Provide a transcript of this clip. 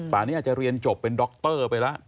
ป่านนี้อาจจะเรียนจบเป็นด็อกเตอร์ไปละ